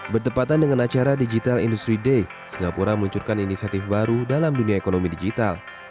bertepatan dengan acara digital industry day singapura meluncurkan inisiatif baru dalam dunia ekonomi digital